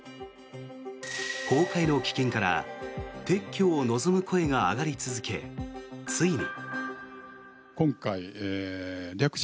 崩壊の危険から撤去を望む声が上がり続けついに。